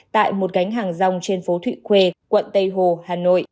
tại một cánh hàng rong trên phố thụy khuê quận tây hồ hà nội